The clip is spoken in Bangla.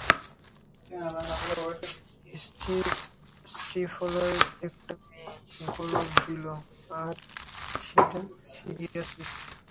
স্টিভ স্টিফলার একটা মেয়েকে গোলাপ দিলো আর সেটা সিরিয়াসলি।